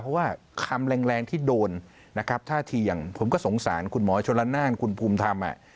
เพราะว่าคำแรงแรงที่โดนนะครับท่าทีอย่างผมก็สงสารคุณหมอชนละนานคุณภูมิธรรม